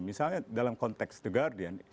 misalnya dalam konteks the guardian